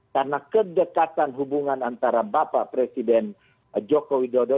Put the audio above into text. karena kedekatan hubungan antara bapak presiden joko widodo